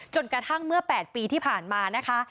จนกระทั่งเมื่อ๘ปีที่ผ่านมานะคะ